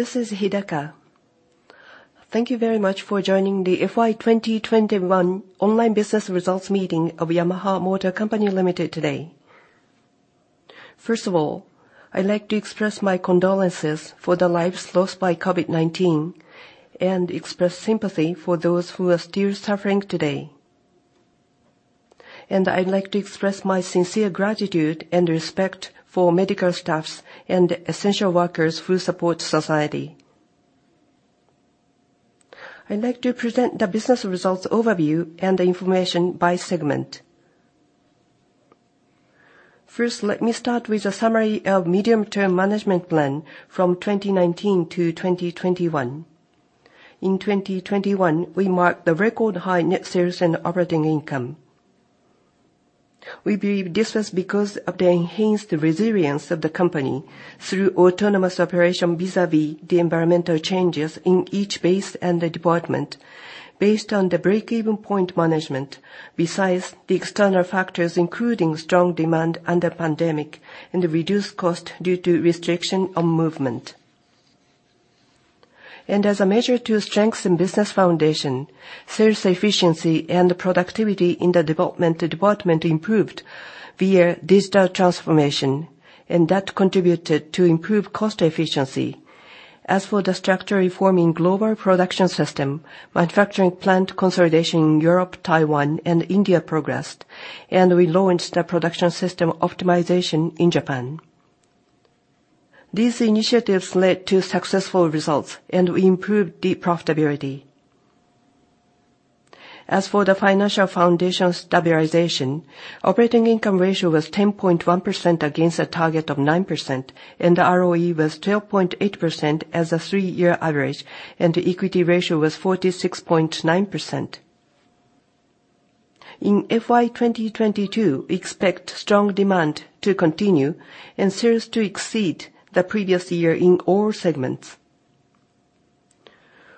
This is Hidaka. Thank you very much for joining the FY 2021 online business results meeting of Yamaha Motor Co., Ltd. today. First of all, I'd like to express my condolences for the lives lost by COVID-19 and express sympathy for those who are still suffering today. I'd like to express my sincere gratitude and respect for medical staffs and essential workers who support society. I'd like to present the business results overview and the information by segment. First, let me start with a summary of medium-term management plan from 2019 to 2021. In 2021, we marked the record high net sales and operating income. We believe this was because of the enhanced resilience of the company through autonomous operation vis-à-vis the environmental changes in each base and the department based on the break-even point management, besides the external factors, including strong demand and the pandemic and the reduced cost due to restriction on movement. As a measure to strengthen business foundation, sales efficiency and productivity in the development department improved via digital transformation and that contributed to improved cost efficiency. As for the structural reform of the global production system, manufacturing plant consolidation in Europe, Taiwan and India progressed and we launched the production system optimization in Japan. These initiatives led to successful results and we improved the profitability. As for the financial foundation stabilization, operating income ratio was 10.1% against a target of 9%, and the ROE was 12.8% as a three year average and the equity ratio was 46.9%. In FY 2022, we expect strong demand to continue and sales to exceed the previous year in all segments.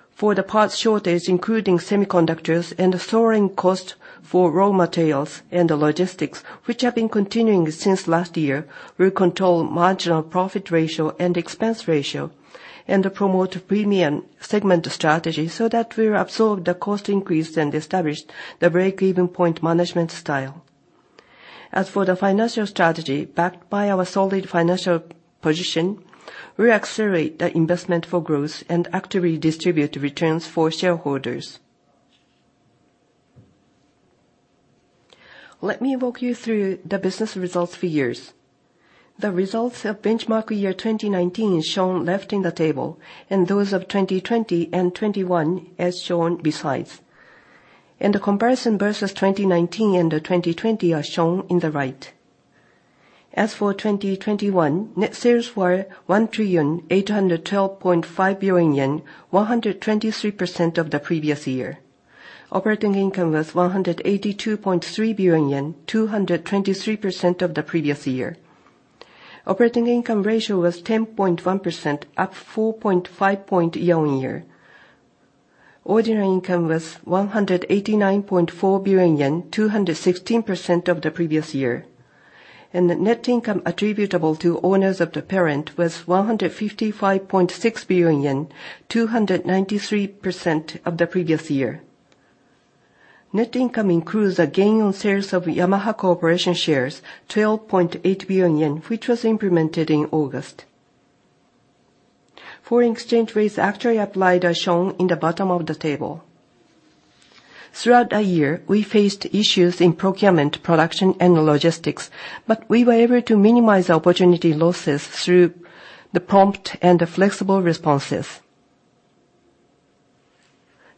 For the parts shortage, including semiconductors and the soaring costs for raw materials and the logistics, which have been continuing since last year, we'll control margin profit ratio and expense ratio and promote premium segment strategy so that we will absorb the cost increase and establish the break-even point management style. As for the financial strategy, backed by our solid financial position, we accelerate the investment for growth and actively distribute returns for shareholders. Let me walk you through the business results for years. The results of benchmark year 2019 is shown left in the table and those of 2020 and 2021 are shown beside. The comparison versus 2019 and 2020 are shown in the right. As for 2021, net sales were 1,812.5 billion yen, 123% of the previous year. Operating income was 182.3 billion yen, 223% of the previous year. Operating income ratio was 10.1%, up 4.5 points year-on-year. Ordinary income was 189.4 billion yen, 216% of the previous year. The net income attributable to owners of the parent was 155.6 billion yen, 293% of the previous year. Net income includes a gain on sales of Yamaha Corporation shares, 12.8 billion yen, which was implemented in August. Foreign exchange rates actually applied are shown in the bottom of the table. Throughout the year, we faced issues in procurement, production and logistics, but we were able to minimize opportunity losses through the prompt and flexible responses.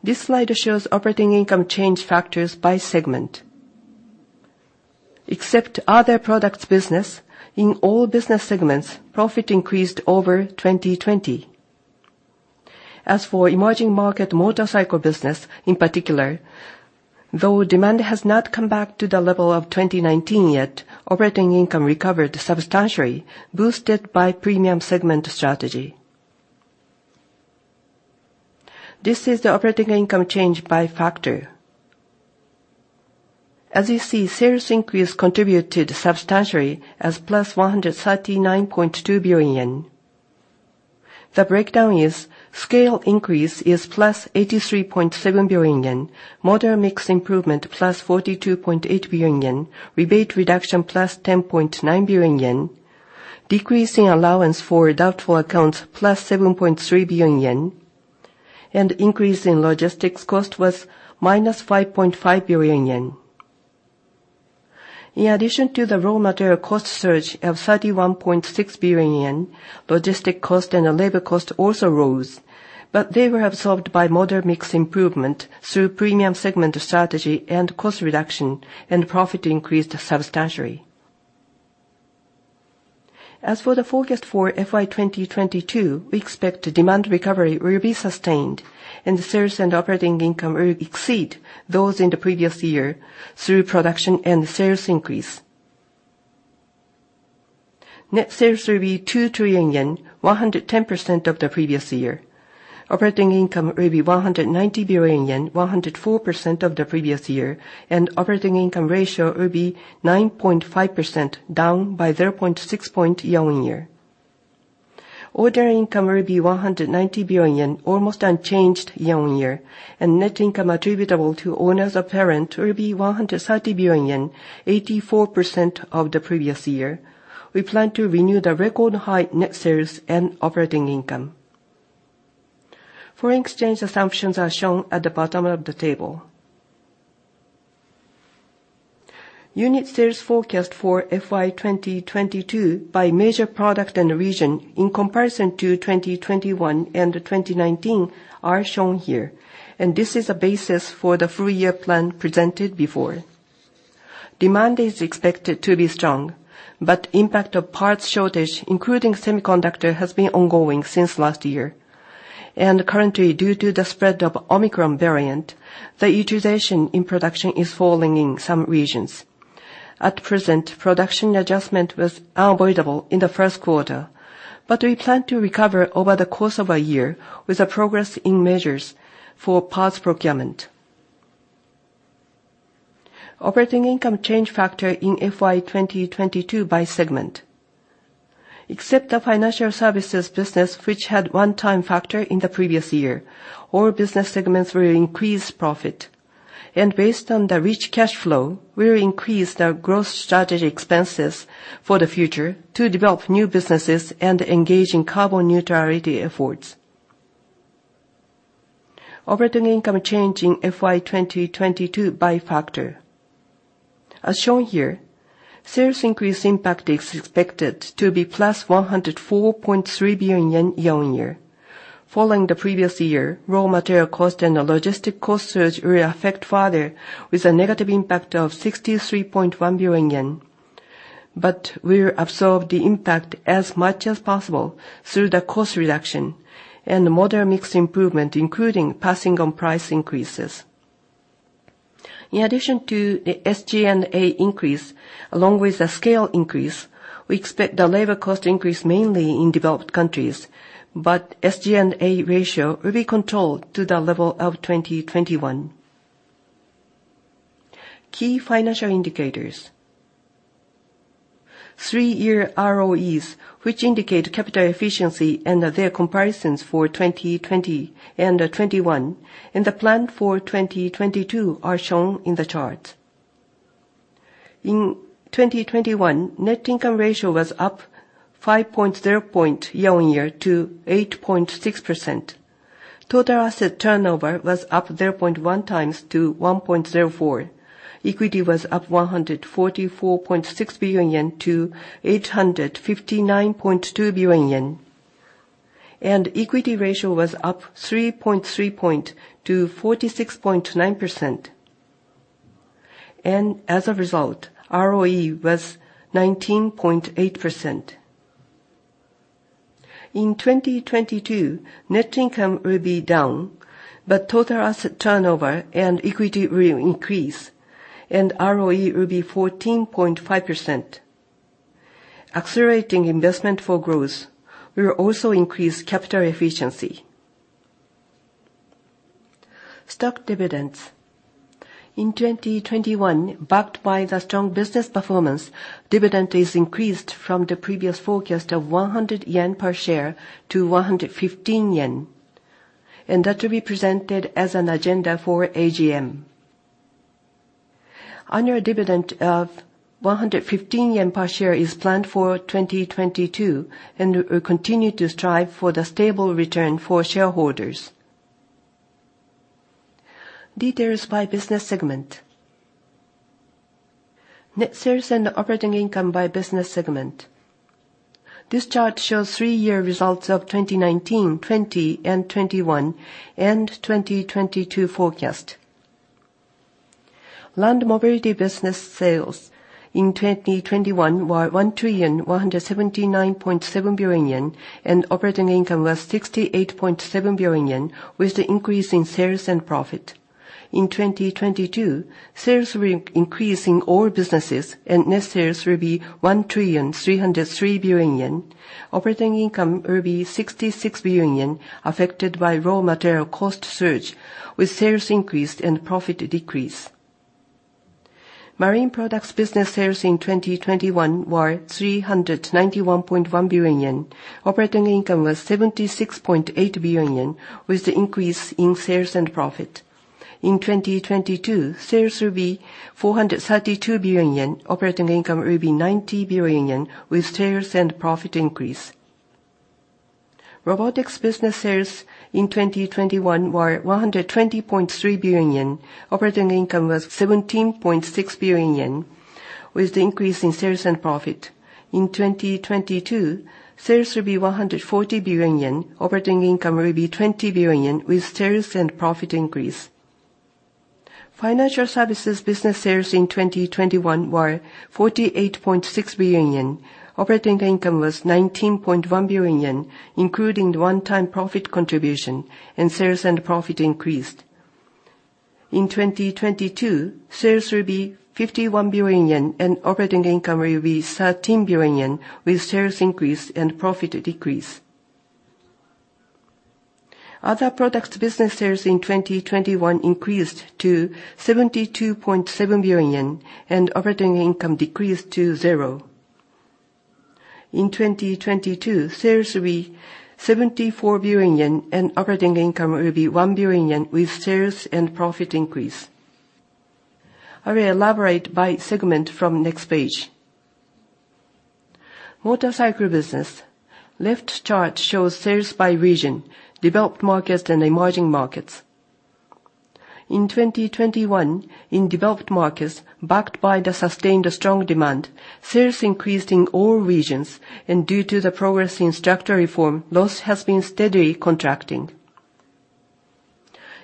This slide shows operating income change factors by segment. Except other products business, in all business segments, profit increased over 2020. As for emerging market motorcycle business in particular, though demand has not come back to the level of 2019 yet, operating income recovered substantially, boosted by premium segment strategy. This is the operating income change by factor. As you see, sales increase contributed substantially as +139.2 billion yen. The breakdown is scale increase is +83.7 billion yen, model mix improvement +42.8 billion yen, rebate reduction +10.9 billion yen, decreasing allowance for doubtful accounts +7.3 billion yen and increase in logistics cost was -5.5 billion yen. In addition to the raw material cost surge of 31.6 billion yen, logistics cost and labor cost also rose, but they were absorbed by model mix improvement through premium segment strategy and cost reduction and profit increased substantially. As for the forecast for FY 2022, we expect demand recovery will be sustained and the sales and operating income will exceed those in the previous year through production and sales increase. Net sales will be 2 trillion yen, 110% of the previous year. Operating income will be 190 billion yen, 104% of the previous year and operating income ratio will be 9.5%, down by 0.6 point year-on-year. Ordinary income will be 190 billion, almost unchanged year-on-year. Net income attributable to owners of parent will be 130 billion yen, 84% of the previous year. We plan to renew the record high net sales and operating income. Foreign exchange assumptions are shown at the bottom of the table. Unit sales forecast for FY 2022 by major product and region in comparison to 2021 and 2019 are shown here. This is a basis for the full year plan presented before. Demand is expected to be strong, but impact of parts shortage, including semiconductor, has been ongoing since last year. Currently, due to the spread of Omicron variant, the utilization in production is falling in some regions. At present, production adjustment was unavoidable in the first quarter, but we plan to recover over the course of a year with a progress in measures for parts procurement. Operating income change factor in FY 2022 by segment. Except the financial services business, which had one-time factor in the previous year, all business segments will increase profit. Based on the rich cash flow, we'll increase the growth strategy expenses for the future to develop new businesses and engage in carbon neutrality efforts. Operating income change in FY 2022 by factor. As shown here, sales increase impact is expected to be +104.3 billion yen year-over-year. Following the previous year, raw material cost and the logistic cost surge will affect further with a negative impact of 63.1 billion yen. We'll absorb the impact as much as possible through the cost reduction and model mix improvement, including passing on price increases. In addition to the SG&A increase, along with the scale increase, we expect the labor cost increase mainly in developed countries, but SG&A ratio will be controlled to the level of 2021. Key financial indicators. Three-year ROEs, which indicate capital efficiency and their comparisons for 2020 and 2021, and the plan for 2022 are shown in the chart. In 2021, net income ratio was up 5.0 pp year-on-year to 8.6%. Total asset turnover was up 0.1 times to 1.04. Equity was up 144.6 billion yen to 859.2 billion yen. Equity ratio was up 3.3 points to 46.9%. As a result, ROE was 19.8%. In 2022, net income will be down, but total asset turnover and equity will increase and ROE will be 14.5%. Accelerating investment for growth will also increase capital efficiency. Stock dividends. In 2021, backed by the strong business performance, dividend is increased from the previous forecast of 100 yen per share to 115 yen and that will be presented as an agenda for AGM. Annual dividend of 115 yen per share is planned for 2022 and we will continue to strive for the stable return for shareholders. Details by business segment. Net sales and operating income by business segment. This chart shows three-year results of 2019, 2020, and 2021, and 2022 forecast. Land Mobility business sales in 2021 were 1,179.7 billion yen, and operating income was 68.7 billion yen with the increase in sales and profit. In 2022, sales will increase in all businesses and net sales will be 1,303 billion yen. Operating income will be 66 billion yen, affected by raw material cost surge, with sales increased and profit decreased. Marine Products business sales in 2021 were 391.1 billion yen. Operating income was 76.8 billion yen with the increase in sales and profit. In 2022, sales will be 432 billion yen. Operating income will be 90 billion yen with sales and profit increase. Robotics business sales in 2021 were 120.3 billion yen. Operating income was 17.6 billion yen with the increase in sales and profit. In 2022, sales will be 140 billion yen. Operating income will be 20 billion yen with sales and profit increase. Financial services business sales in 2021 were 48.6 billion yen. Operating income was 19.1 billion yen, including the one-time profit contribution and sales and profit increased. In 2022, sales will be 51 billion yen, and operating income will be 13 billion yen, with sales increase and profit decrease. Other products business sales in 2021 increased to 72.7 billion yen, and operating income decreased to zero. In 2022, sales will be 74 billion yen, and operating income will be 1 billion yen with sales and profit increase. I will elaborate by segment from next page. Motorcycle business. Left chart shows sales by region, developed markets and emerging markets. In 2021, in developed markets, backed by the sustained strong demand, sales increased in all regions and due to the progress in structural reform, loss has been steadily contracting.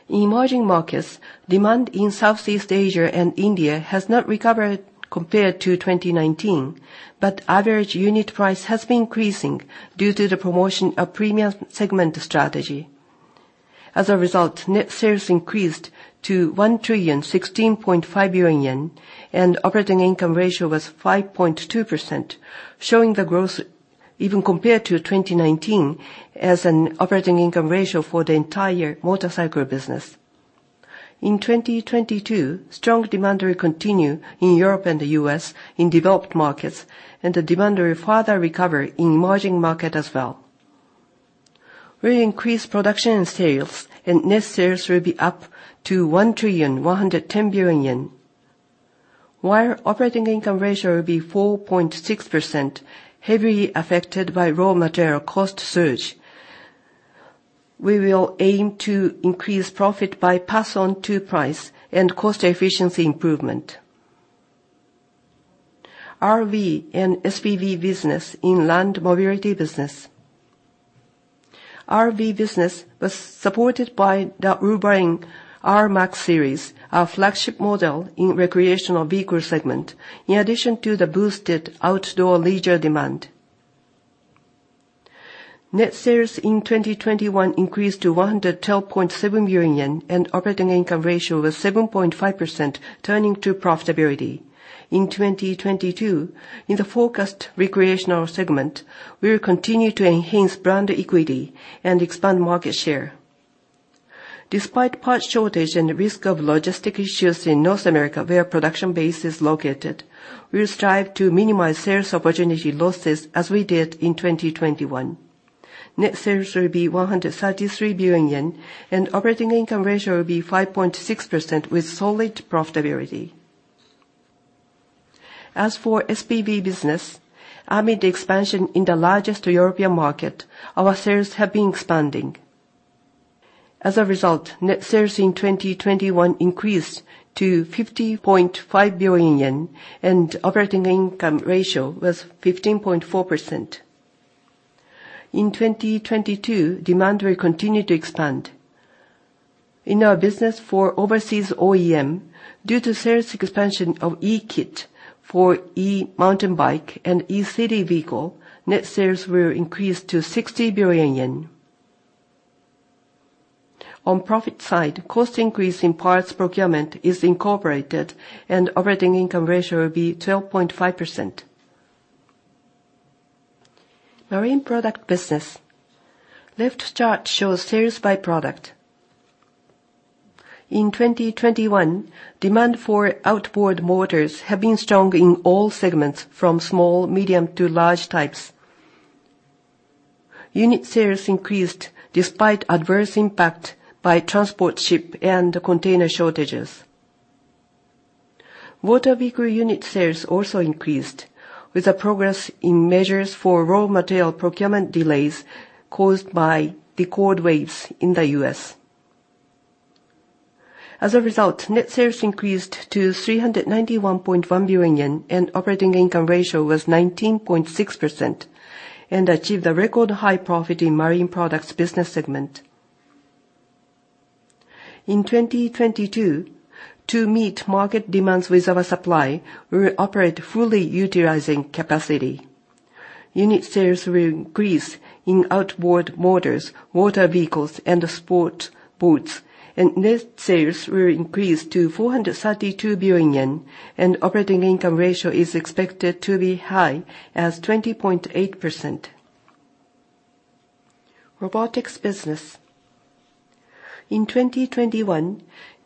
In emerging markets, demand in Southeast Asia and India has not recovered compared to 2019, but average unit price has been increasing due to the promotion of premium segment strategy. As a result, net sales increased to 1,016.5 billion yen and operating income ratio was 5.2%, showing the growth even compared to 2019 as an operating income ratio for the entire motorcycle business. In 2022, strong demand will continue in Europe and the U.S. in developed markets and the demand will further recover in emerging market as well. We increase production and sales and net sales will be up to 1.11 trillion. While operating income ratio will be 4.6%, heavily affected by raw material cost surge, we will aim to increase profit by pass on to price and cost efficiency improvement. RV and SPV business in land mobility business. RV business was supported by the Wolverine RMAX series, our flagship model in recreational vehicle segment, in addition to the boosted outdoor leisure demand. Net sales in 2021 increased to 112.7 billion yen and operating income ratio was 7.5%, turning to profitability. In 2022, in the forecast recreational segment, we will continue to enhance brand equity and expand market share. Despite parts shortage and risk of logistic issues in North America, where production base is located, we will strive to minimize sales opportunity losses as we did in 2021. Net sales will be 133 billion yen and operating income ratio will be 5.6% with solid profitability. As for SPV business, amid the expansion in the largest European market, our sales have been expanding. As a result, net sales in 2021 increased to 50.5 billion yen and operating income ratio was 15.4%. In 2022, demand will continue to expand. In our business for overseas OEM, due to sales expansion of E-Kit for E-MTB and E-City, net sales will increase to 60 billion yen. On profit side, cost increase in parts procurement is incorporated and operating income ratio will be 12.5%. Marine Product Business. Left chart shows sales by product. In 2021, demand for outboard motors have been strong in all segments, from small, medium to large types. Unit sales increased despite adverse impact by transport ship and container shortages. Water vehicle unit sales also increased with the progress in measures for raw material procurement delays caused by record waves in the U.S. As a result, net sales increased to 391.1 billion yen and operating income ratio was 19.6% and achieved a record high profit in marine products business segment. In 2022, to meet market demands with our supply, we will operate fully utilizing capacity. Unit sales will increase in outboard motors, water vehicles and sport boats, and net sales will increase to 432 billion yen and operating income ratio is expected to be as high as 20.8%. Robotics business. In 2021,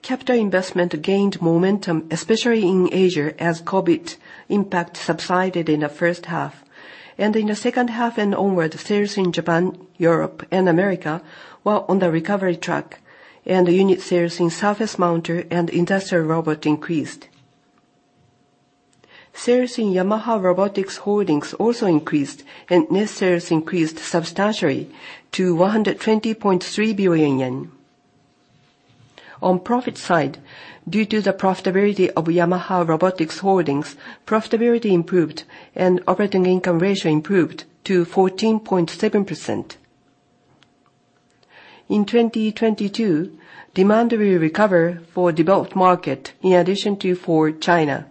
capital investment gained momentum, especially in Asia, as COVID impact subsided in the first half. In the second half and onward, sales in Japan, Europe and America were on the recovery track and unit sales in surface mounter and industrial robot increased. Sales in Yamaha Robotics Holdings also increased, and net sales increased substantially to 120.3 billion yen. On profit side, due to the profitability of Yamaha Robotics Holdings, profitability improved and operating income ratio improved to 14.7%. In 2022, demand will recover for developed market in addition to for China.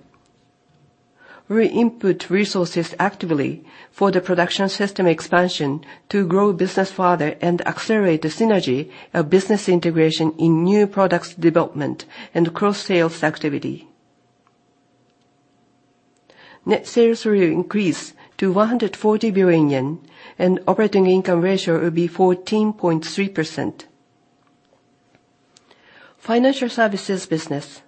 We input resources actively for the production system expansion to grow business further and accelerate the synergy of business integration in new products development and cross-sales activity. Net sales will increase to 140 billion yen and operating income ratio will be 14.3%. Financial services business.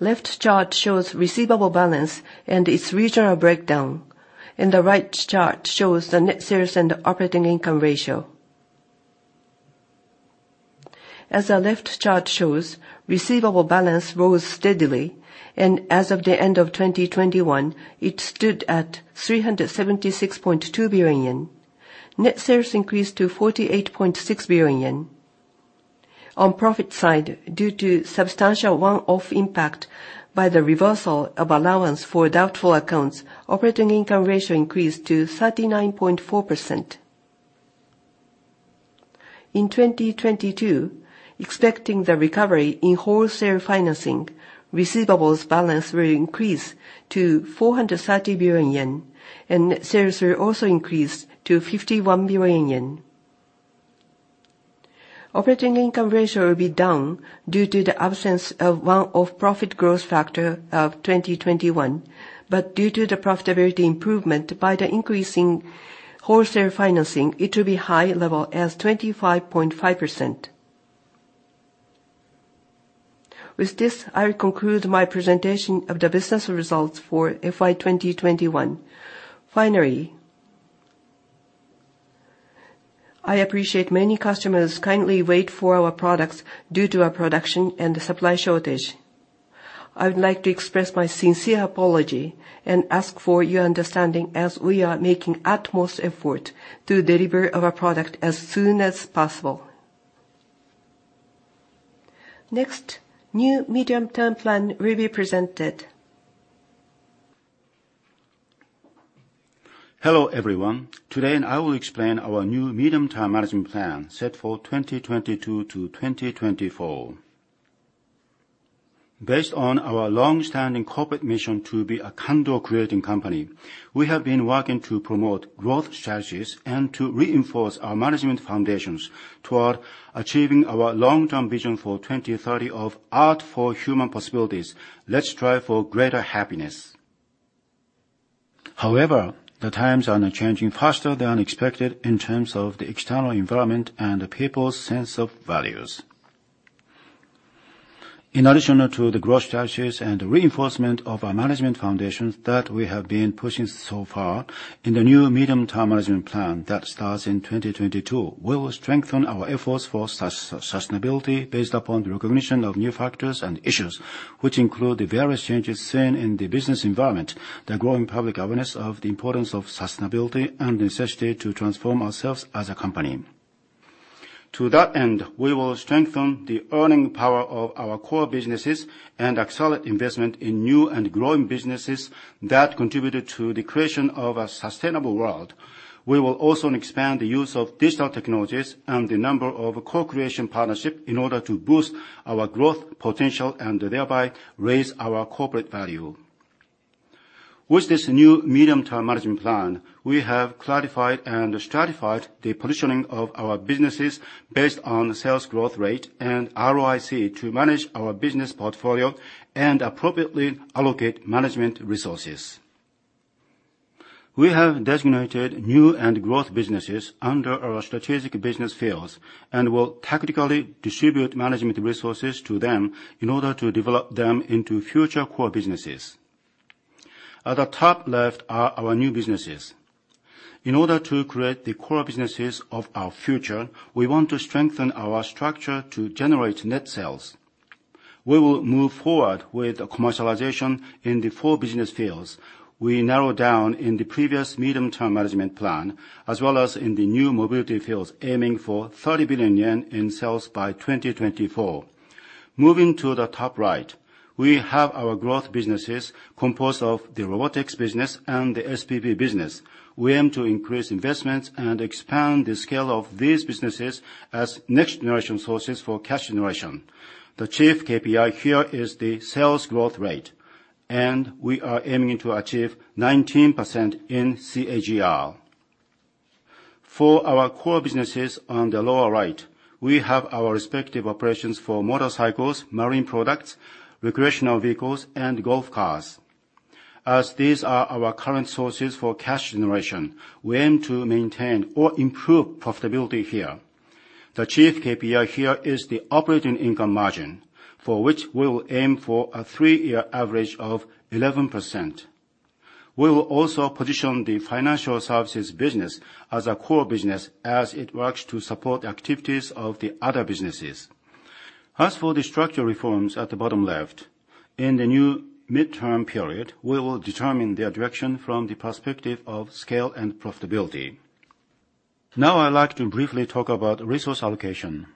Left chart shows receivable balance and its regional breakdown and the right chart shows the net sales and operating income ratio. As the left chart shows, receivable balance grows steadily and as of the end of 2021, it stood at 376.2 billion yen. Net sales increased to 48.6 billion yen. On profit side, due to substantial one-off impact by the reversal of allowance for doubtful accounts, operating income ratio increased to 39.4%. In 2022, expecting the recovery in wholesale financing, receivables balance will increase to 430 billion yen, andnet sales will also increase to 51 billion yen. Operating income ratio will be down due to the absence of one-off profit growth factor of 2021, but due to the profitability improvement by the increase in wholesale financing, it will be high level as 25.5%. With this, I will conclude my presentation of the business results for FY 2021. Finally, I appreciate many customers kindly wait for our products due to our production and supply shortage. I would like to express my sincere apology and ask for your understanding as we are making utmost effort to deliver our product as soon as possible. Next, new medium-term plan will be presented. Hello, everyone. Today, I will explain our new medium-term management plan set for 2022-2024. Based on our long standing corporate mission to be a Kando creating company, we have been working to promote growth strategies and to reinforce our management foundations toward achieving our long-term vision for 2030 of Art for Human Possibilities. Let's strive for greater happiness. However, the times are now changing faster than expected in terms of the external environment and the people's sense of values. In addition to the growth strategies and reinforcement of our management foundations that we have been pushing so far, in the new medium-term management plan that starts in 2022, we will strengthen our efforts for sustainability based upon the recognition of new factors and issues, which include the various changes seen in the business environment, the growing public awareness of the importance of sustainability and necessity to transform ourselves as a company. To that end, we will strengthen the earning power of our core businesses and accelerate investment in new and growing businesses that contributed to the creation of a sustainable world. We will also expand the use of digital technologies and the number of co-creation partnership in order to boost our growth potential and thereby, raise our corporate value. With this new medium-term management plan, we have clarified and stratified the positioning of our businesses based on sales growth rate and ROIC to manage our business portfolio and appropriately allocate management resources. We have designated new and growth businesses under our strategic business fields and will tactically distribute management resources to them in order to develop them into future core businesses. At the top left are our new businesses. In order to create the core businesses of our future, we want to strengthen our structure to generate net sales. We will move forward with the commercialization in the four business fields we narrowed down in the previous medium-term management plan, as well as in the new mobility fields, aiming for 30 billion yen in sales by 2024. Moving to the top right, we have our growth businesses composed of the robotics business and the SPV business. We aim to increase investments and expand the scale of these businesses as next generation sources for cash generation. The chief KPI here is the sales growth rate and we are aiming to achieve 19% in CAGR. For our core businesses on the lower right, we have our respective operations for motorcycles, marine products, recreational vehicles and golf cars. As these are our current sources for cash generation, we aim to maintain or improve profitability here. The chief KPI here is the operating income margin, for which we will aim for a three-year average of 11%. We will also position the financial services business as a core business as it works to support the activities of the other businesses. As for the structural reforms at the bottom left, in the new midterm period, we will determine their direction from the perspective of scale and profitability. Now I'd like to briefly talk about resource allocation.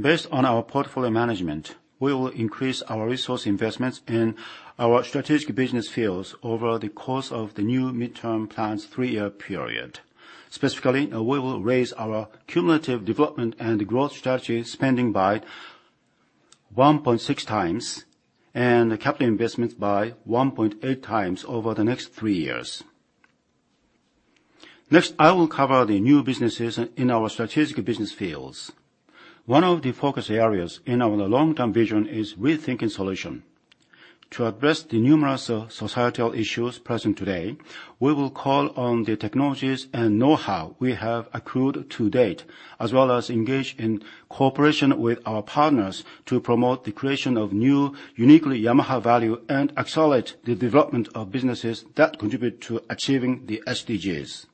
Based on our portfolio management, we will increase our resource investments in our strategic business fields over the course of the new midterm plan's three-year period. Specifically, we will raise our cumulative development and growth strategy spending by 1.6 times and capital investment by 1.8 times over the next three years. Next, I will cover the new businesses in our strategic business fields. One of the focus areas in our long-term vision is rethinking solution. To address the numerous societal issues present today, we will call on the technologies and know-how we have accrued to date, as well as engage in cooperation with our partners to promote the creation of new, uniquely Yamaha value and accelerate the development of businesses that contribute to achieving the SDGs.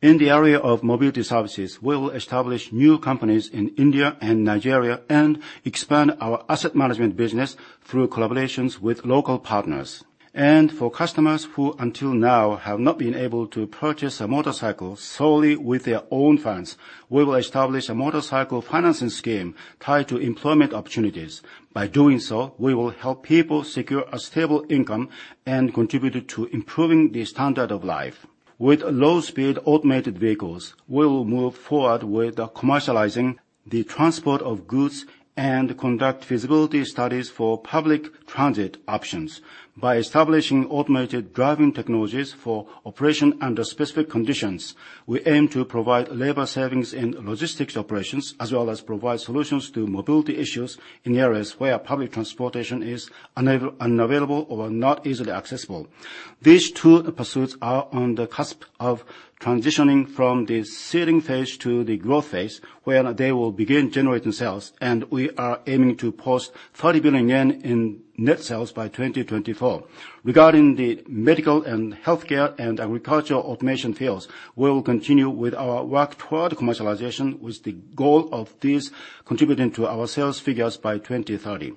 In the area of mobility services, we will establish new companies in India and Nigeria and expand our asset management business through collaborations with local partners. For customers who until now have not been able to purchase a motorcycle solely with their own funds, we will establish a motorcycle financing scheme tied to employment opportunities. By doing so, we will help people secure a stable income and contribute to improving the standard of life. With low-speed automated vehicles, we will move forward with commercializing the transport of goods and conduct feasibility studies for public transit options. By establishing automated driving technologies for operation under specific conditions, we aim to provide labor savings in logistics operations, as well as provide solutions to mobility issues in areas where public transportation is unavailable or not easily accessible. These two pursuits are on the cusp of transitioning from the seeding phase to the growth phase, where they will begin generating sales and we are aiming to post 30 billion yen in net sales by 2024. Regarding the medical and healthcare and agricultural automation fields, we will continue with our work toward commercialization, with the goal of these contributing to our sales figures by 2030.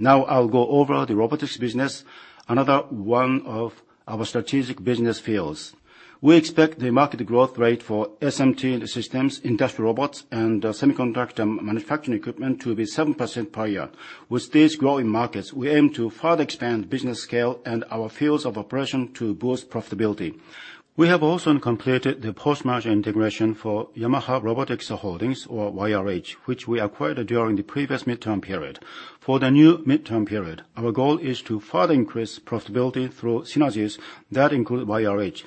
Now I'll go over the robotics business, another one of our strategic business fields. We expect the market growth rate for SMT systems, industrial robots and semiconductor manufacturing equipment to be 7% per year. With these growing markets, we aim to further expand business scale and our fields of operation to boost profitability. We have also completed the post-merger integration for Yamaha Robotics Holdings, or YRH, which we acquired during the previous midterm period. For the new midterm period, our goal is to further increase profitability through synergies that include YRH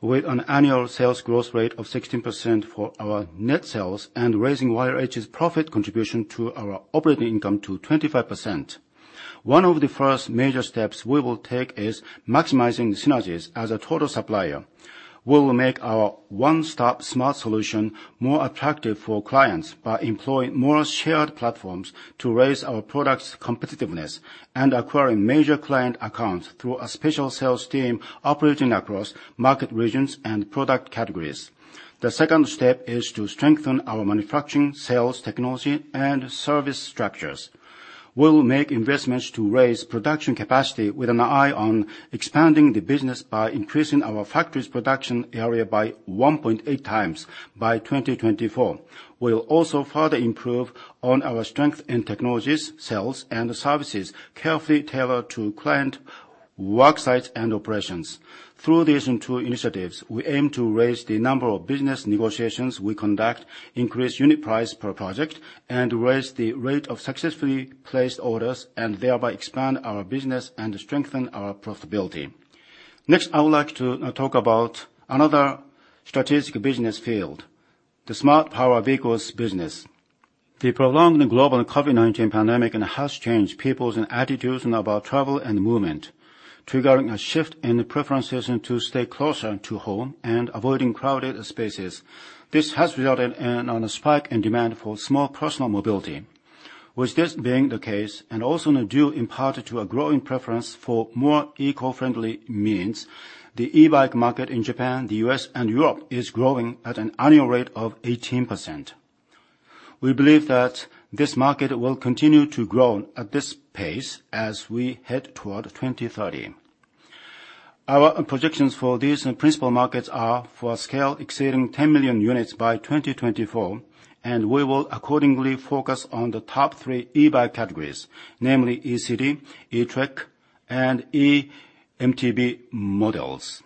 with an annual sales growth rate of 16% for our net sales and raising YRH's profit contribution to our operating income to 25%. One of the first major steps we will take is maximizing synergies as a total supplier. We will make our one-stop smart solution more attractive for clients by employing more shared platforms to raise our products' competitiveness and acquiring major client accounts through a special sales team operating across market regions and product categories. The second step is to strengthen our manufacturing, sales, technology, and service structures. We will make investments to raise production capacity with an eye on expanding the business by increasing our factory's production area by 1.8 times by 2024. We will also further improve on our strength in technologies, sales and services carefully tailored to client work sites and operations. Through these two initiatives, we aim to raise the number of business negotiations we conduct, increase unit price per project and raise the rate of successfully placed orders, and thereby expand our business and strengthen our profitability. Next, I would like to talk about another strategic business field, the smart power vehicles business. The prolonged global COVID-19 pandemic has changed people's attitudes about travel and movement, triggering a shift in the preferences to stay closer to home and avoiding crowded spaces. This has resulted in a spike in demand for small personal mobility. With this being the case, and also due in part to a growing preference for more eco-friendly means, the e-bike market in Japan, the U.S., and Europe is growing at an annual rate of 18%. We believe that this market will continue to grow at this pace as we head toward 2030. Our projections for these principal markets are for scale exceeding 10 million units by 2024 and we will accordingly focus on the top three e-bike categories, namely E-City, E-Trekking, and E-MTB models.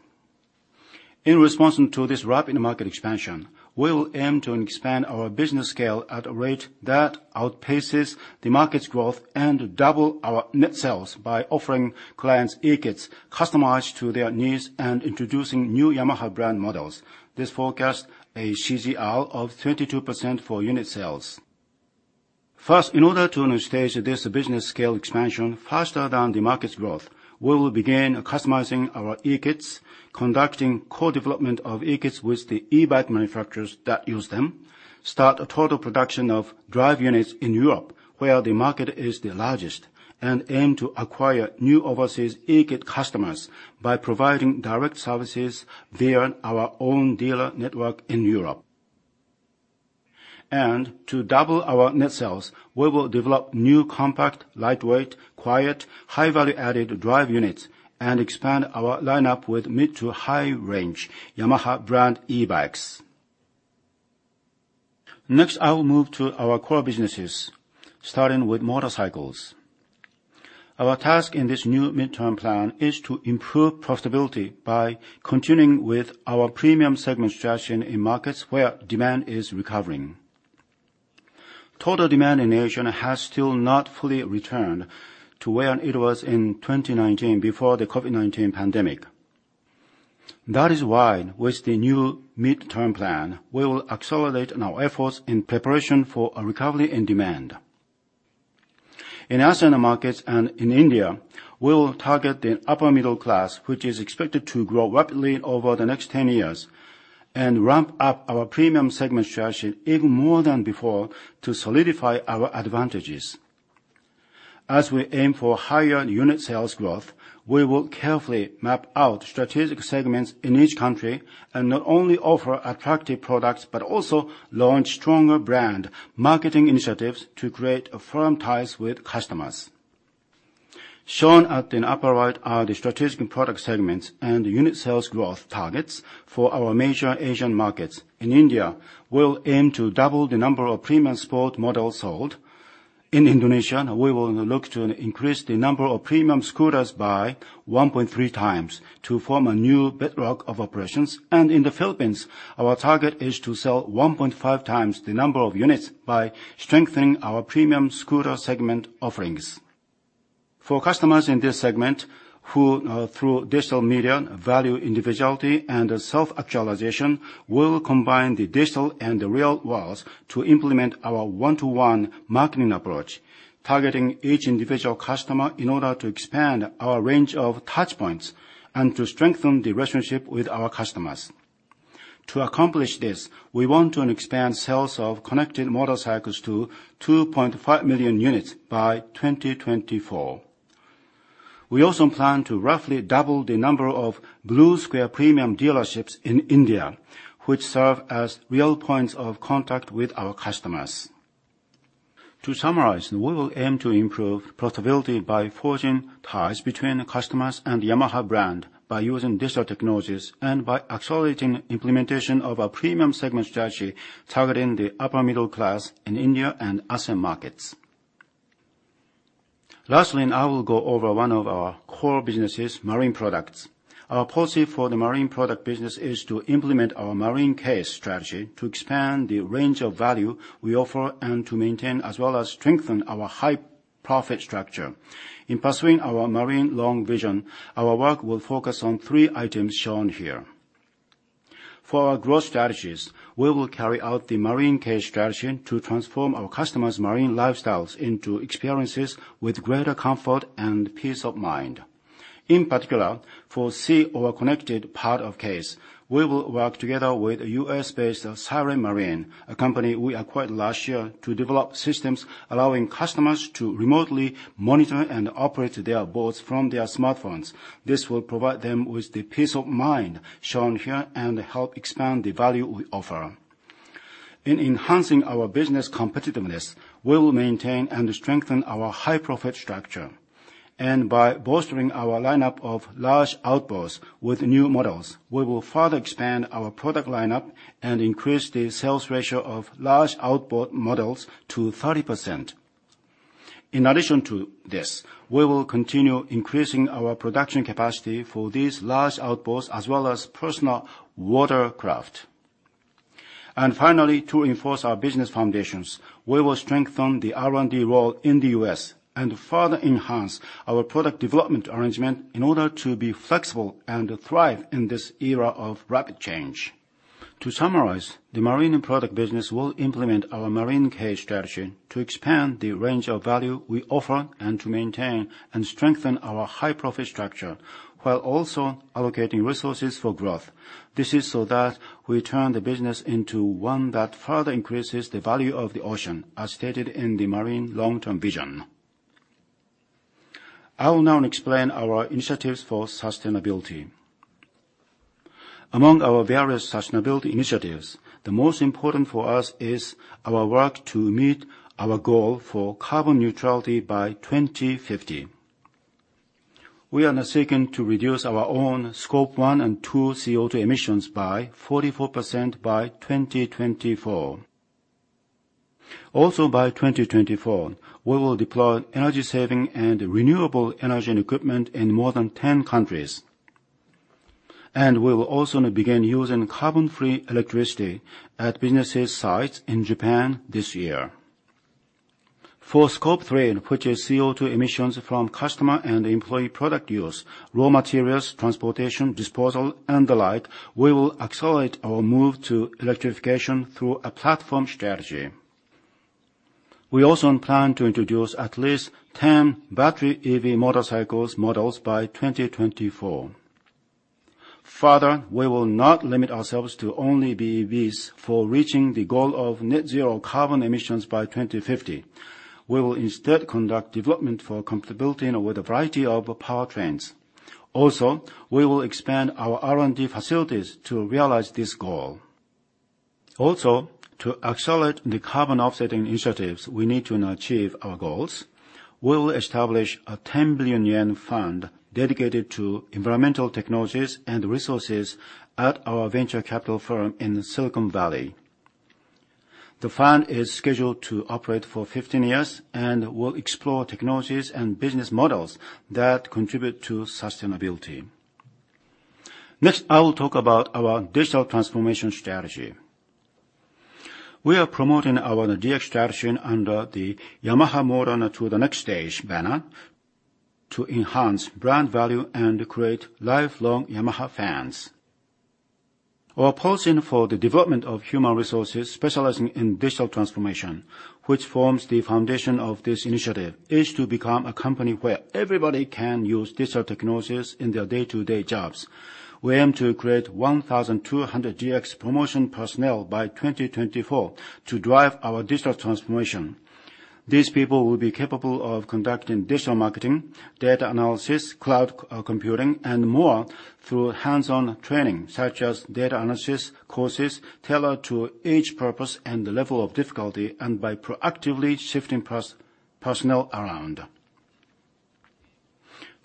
In response to this rapid market expansion, we will aim to expand our business scale at a rate that outpaces the market's growth and double our net sales by offering clients e-Kits customized to their needs and introducing new Yamaha brand models. This forecasts a CAGR of 22% for unit sales. First, in order to stage this business scale expansion faster than the market's growth, we will begin customizing our e-kits, conducting co-development of e-kits with the e-bike manufacturers that use them, start total production of drive units in Europe, where the market is the largest and aim to acquire new overseas e-kit customers by providing direct services via our own dealer network in Europe. To double our net sales, we will develop new compact, lightweight, quiet, high-value added drive units and expand our lineup with mid to high range Yamaha brand e-bikes. Next, I will move to our core businesses, starting with motorcycles. Our task in this new midterm plan is to improve profitability by continuing with our premium segment strategy in markets where demand is recovering. Total demand in Asia has still not fully returned to where it was in 2019 before the COVID-19 pandemic. That is why with the new midterm plan, we will accelerate our efforts in preparation for a recovery in demand. In Asian markets and in India, we'll target the upper middle class, which is expected to grow rapidly over the next 10 years and ramp up our premium segment strategy even more than before to solidify our advantages. As we aim for higher unit sales growth, we will carefully map out strategic segments in each country and not only offer attractive products, but also launch stronger brand marketing initiatives to create firm ties with customers. Shown at the upper right are the strategic product segments and unit sales growth targets for our major Asian markets. In India, we'll aim to double the number of premium sport models sold. In Indonesia, we will look to increase the number of premium scooters by 1.3 times to form a new bedrock of operations. In the Philippines, our target is to sell 1.5 times the number of units by strengthening our premium scooter segment offerings. For customers in this segment who, through digital media value individuality and self-actualization, we'll combine the digital and the real worlds to implement our one-to-one marketing approach, targeting each individual customer in order to expand our range of touchpoints and to strengthen the relationship with our customers. To accomplish this, we want to expand sales of connected motorcycles to 2.5 million units by 2024. We also plan to roughly double the number of Blue Square premium dealerships in India, which serve as real points of contact with our customers. To summarize, we will aim to improve profitability by forging ties between the customers and Yamaha brand by using digital technologies and by accelerating implementation of our premium segment strategy, targeting the upper middle class in India and Asian markets. Lastly, I will go over one of our core businesses, Marine Products. Our policy for the Marine Products business is to implement our Marine CASE strategy to expand the range of value we offer and to maintain as well as strengthen our high profit structure. In pursuing our Marine Long Vision, our work will focus on three items shown here. For our growth strategies, we will carry out the Marine CASE strategy to transform our customers' marine lifestyles into experiences with greater comfort and peace of mind. In particular, for C, our connected part of CASE, we will work together with U.S.-based Siren Marine, a company we acquired last year to develop systems allowing customers to remotely monitor and operate their boats from their smartphones. This will provide them with the peace of mind shown here and help expand the value we offer. In enhancing our business competitiveness, we will maintain and strengthen our high profit structure. By bolstering our lineup of large outboards with new models, we will further expand our product lineup and increase the sales ratio of large outboard models to 30%. In addition to this, we will continue increasing our production capacity for these large outboards as well as personal watercraft. Finally, to enforce our business foundations, we will strengthen the R&D role in the U.S. and further enhance our product development arrangement in order to be flexible and thrive in this era of rapid change. To summarize, the marine product business will implement our Marine strategy to expand the range of value we offer and to maintain and strengthen our high profit structure while also allocating resources for growth. This is so that we turn the business into one that further increases the value of the ocean as stated in the marine long-term vision. I will now explain our initiatives for sustainability. Among our various sustainability initiatives, the most important for us is our work to meet our goal for carbon neutrality by 2050. We are now seeking to reduce our own Scope one and two CO2 emissions by 44% by 2024. By 2024, we will deploy energy saving and renewable energy and equipment in more than 10 countries. We will also now begin using carbon-free electricity at business sites in Japan this year. For Scope three, which is CO2 emissions from customer and employee product use, raw materials, transportation, disposal and the like, we will accelerate our move to electrification through a platform strategy. We also plan to introduce at least 10 battery EV motorcycle models by 2024. Further, we will not limit ourselves to only BEVs for reaching the goal of net zero carbon emissions by 2050. We will instead conduct development for compatibility with a variety of powertrains. Also, we will expand our R&D facilities to realize this goal. To accelerate the carbon offsetting initiatives we need to now achieve our goals, we'll establish a 10 billion yen fund dedicated to environmental technologies and resources at our venture capital firm in Silicon Valley. The fund is scheduled to operate for 15 years and will explore technologies and business models that contribute to sustainability. Next, I will talk about our digital transformation strategy. We are promoting our DX strategy under the Yamaha Motor to the Next Stage banner to enhance brand value and create lifelong Yamaha fans. Our policy for the development of human resources specializing in digital transformation, which forms the foundation of this initiative, is to become a company where everybody can use digital technologies in their day-to-day jobs. We aim to create 1,200 DX promotion personnel by 2024 to drive our digital transformation. These people will be capable of conducting digital marketing, data analysis, cloud computing, and more through hands-on training, such as data analysis courses tailored to each purpose and the level of difficulty and by proactively shifting personnel around.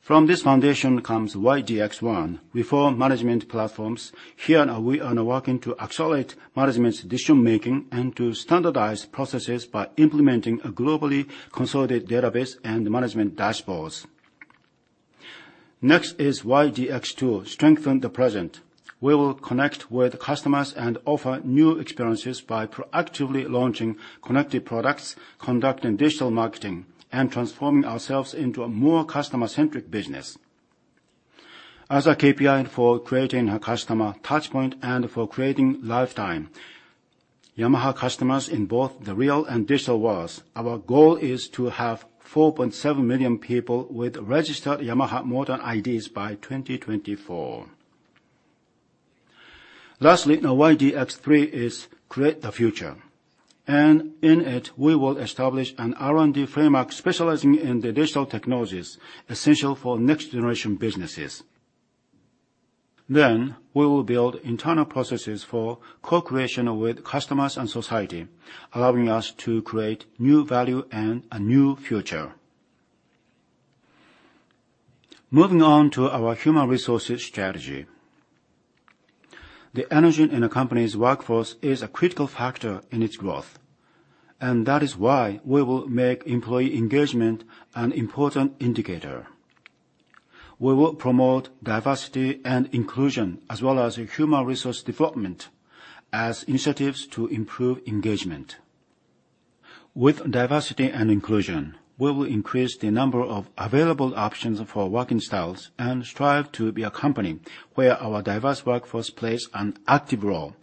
From this foundation comes YDX1, Reform Management Platforms. Here, we are now working to accelerate management's decision-making and to standardize processes by implementing a globally consolidated database and management dashboards. Next is YDX2, Strengthen the Present. We will connect with customers and offer new experiences by proactively launching connected products, conducting digital marketing and transforming ourselves into a more customer-centric business. As a KPI for creating a customer touch point and for creating lifetime Yamaha customers in both the real and digital worlds, our goal is to have 4.7 million people with registered Yamaha Motor IDs by 2024. Lastly, now YDX3 is Create the Future and in it, we will establish an R&D framework specializing in the digital technologies essential for next generation businesses. We will build internal processes for co-creation with customers and society, allowing us to create new value and a new future. Moving on to our human resources strategy. The energy in a company's workforce is a critical factor in its growth and that is why we will make employee engagement an important indicator. We will promote diversity and inclusion, as well as human resource development as initiatives to improve engagement. With diversity and inclusion, we will increase the number of available options for working styles and strive to be a company where our diverse workforce plays an active role.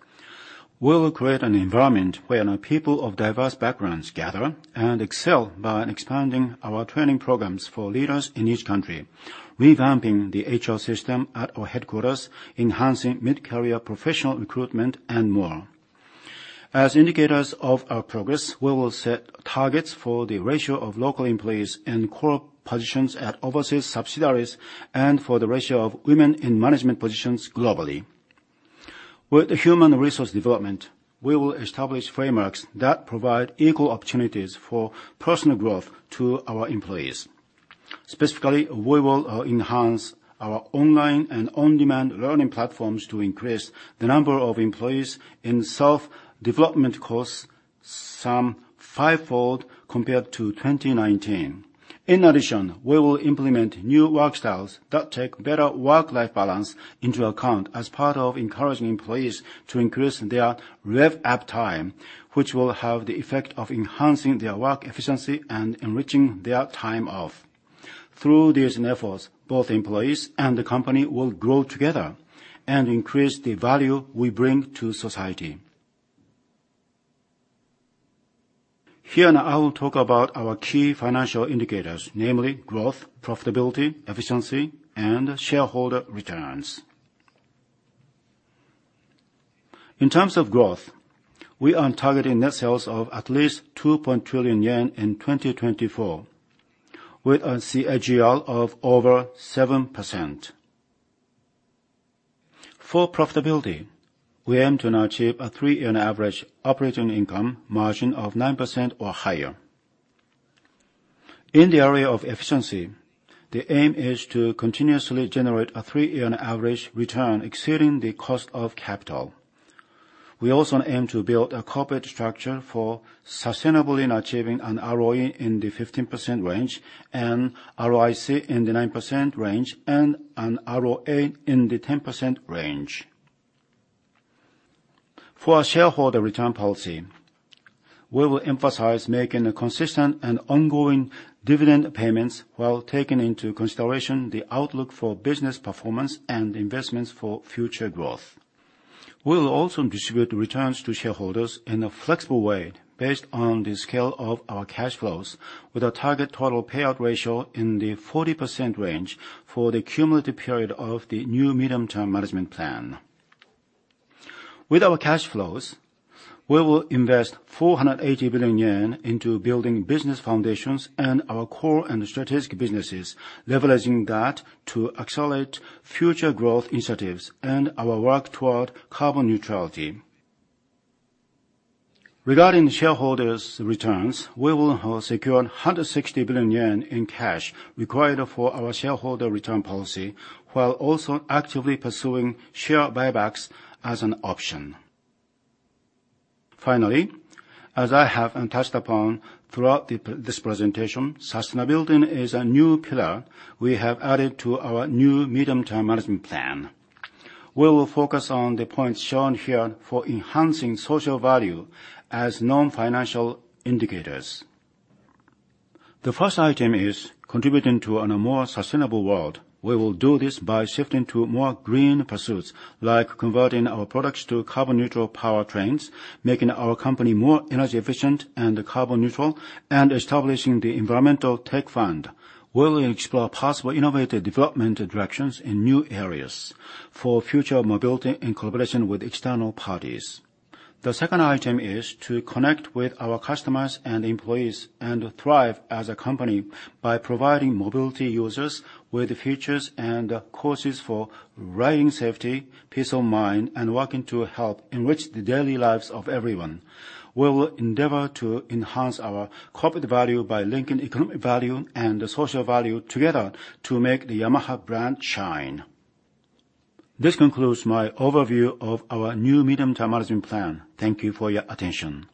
We will create an environment where people of diverse backgrounds gather and excel by expanding our training programs for leaders in each country, revamping the HR system at our headquarters, enhancing mid-career professional recruitment and more. As indicators of our progress, we will set targets for the ratio of local employees in core positions at overseas subsidiaries and for the ratio of women in management positions globally. With human resource development, we will establish frameworks that provide equal opportunities for personal growth to our employees. Specifically, we will enhance our online and on demand learning platforms to increase the number of employees in self-development course, some five-fold compared to 2019. In addition, we will implement new work styles that take better work-life balance into account as part of encouraging employees to increase their rev app time, which will have the effect of enhancing their work efficiency and enriching their time off. Through these efforts, both employees and the company will grow together and increase the value we bring to society. Here now I will talk about our key financial indicators, namely growth, profitability, efficiency and shareholder returns. In terms of growth, we are targeting net sales of at least 2 trillion yen in 2024, with a CAGR of over 7%. For profitability, we aim to now achieve a three-year average operating income margin of 9% or higher. In the area of efficiency, the aim is to continuously generate a three-year average return exceeding the cost of capital. We also aim to build a corporate structure for sustainably achieving an ROE in the 15% range and ROIC in the 9% range and an ROA in the 10% range. For our shareholder return policy, we will emphasize making a consistent and ongoing dividend payments while taking into consideration the outlook for business performance and investments for future growth. We will also distribute the returns to shareholders in a flexible way based on the scale of our cash flows with a target total payout ratio in the 40% range for the cumulative period of the new medium-term management plan. With our cash flows, we will invest 480 billion yen into building business foundations and our core and strategic businesses, leveraging that to accelerate future growth initiatives and our work toward carbon neutrality. Regarding shareholders' returns, we will have secured 160 billion yen in cash required for our shareholder return policy, while also actively pursuing share buybacks as an option. Finally, as I have touched upon throughout this presentation, sustainability is a new pillar we have added to our new medium-term management plan. We will focus on the points shown here for enhancing social value as non-financial indicators. The first item is contributing to a more sustainable world. We will do this by shifting to more green pursuits, like converting our products to carbon neutral powertrains, making our company more energy efficient and carbon neutral and establishing the environmental tech fund. We will explore possible innovative development directions in new areas for future mobility in collaboration with external parties. The second item is to connect with our customers and employees and thrive as a company by providing mobility users with the features and courses for riding safety, peace of mind and working to help enrich the daily lives of everyone. We will endeavor to enhance our corporate value by linking economic value and the social value together to make the Yamaha brand shine. This concludes my overview of our new medium-term management plan. Thank you for your attention.